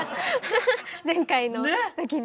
前回の時に。